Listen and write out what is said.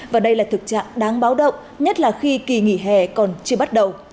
và đây là thực trạng đáng báo động nhất là khi kỳ nghỉ hè còn chưa bắt đầu